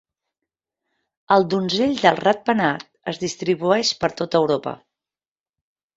El donzell del ratpenat es distribueix per tota Europa.